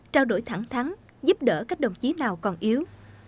trao đổi thẳng thắng giúp đỡ các đồng chí nào còn yếu